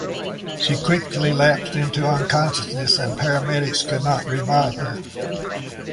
She quickly lapsed into unconsciousness and paramedics could not revive her.